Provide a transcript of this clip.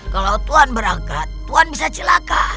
kalau tuan berangkat tuan bisa celaka